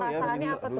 perasaannya apa tuh